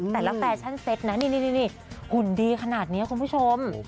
แฟชั่นเซ็ตนะนี่หุ่นดีขนาดนี้คุณผู้ชม